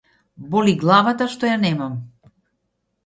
Боли главата што ја немам.